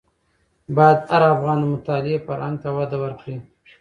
باید هر افغان د مطالعې فرهنګ ته وده ورکړي.